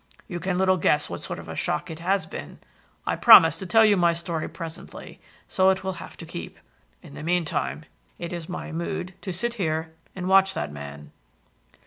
You can little guess what sort of a shock it has been. I promise to tell you my story presently, so it will have to keep. In the meantime, it is my mood to sit here and watch that man."